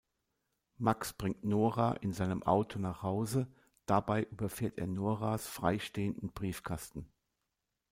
Max bringt Nora in seinem Auto nach Hause, dabei überfährt er Noras freistehenden Briefkasten.